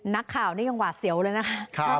นักข่าวนี่ยังหวาดเสียวเลยนะคะ